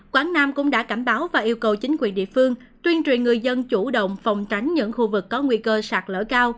quảng nam cũng đã cảnh báo và yêu cầu chính quyền địa phương tuyên truyền người dân chủ động phòng tránh những khu vực có nguy cơ sạt lở cao